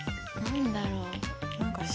何だろう？